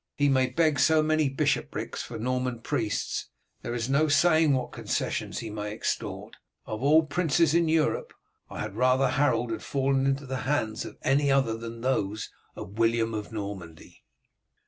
He may beg so many bishoprics for Norman priests. There is no saying what concessions he may extort. Of all princes in Europe I had rather Harold had fallen into the hands of any other than into those of William of Normandy."